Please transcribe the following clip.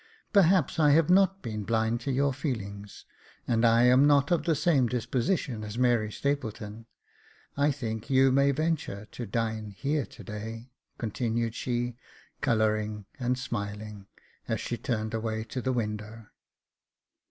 Perhaps I have not been blind to your feelings, and I am not of the same disposition as Mary Stapleton. I think you may venture to dine here to day," continued she, colouring and smiling, as she turned away to the window.